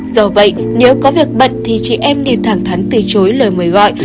do vậy nếu có việc bận thì chị em nên thẳng thắn từ chối lời mời gọi